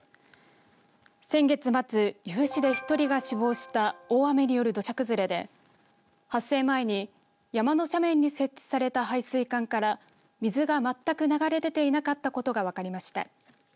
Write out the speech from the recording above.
先月末、由布市で１人が死亡した大雨による土砂崩れで発生前に山の斜面に設置された排水管から水が全く流れ出ていなかったことが分かりました。